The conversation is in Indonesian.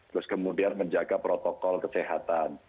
terus kemudian menjaga protokol kesehatan